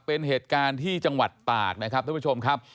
เป็นเหตุการณ์ที่จังหวัดตากนะครับท่านผู้ชมครับ